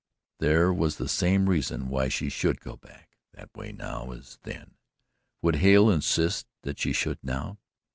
There was the same reason why she should go back that way now as then would Hale insist that she should now?